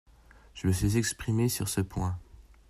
Je me suis exprimée sur ce point.